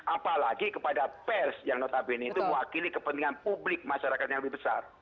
apalagi kepada pers yang notabene itu mewakili kepentingan publik masyarakat yang lebih besar